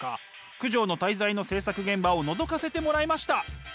「九条の大罪」の制作現場をのぞかせてもらいました！